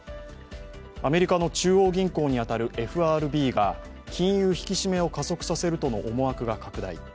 アメリカの中央銀行に当たるＦＲＢが金融引き締めを加速させるとの思惑が拡大。